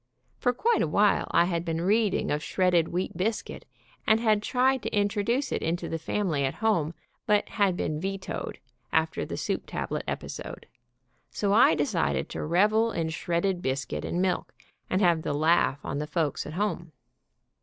For quite a while I had been reading of shredded wheat biscuit, TERRIBLE ENCOUNTER AGAINST A BISCUIT 193 and had tried to introduce it into the family at home, but had been vetoed, after the soup tablet episode, so I decided to revel in shredded biscuit and milk, and have the laugh on the folks at home.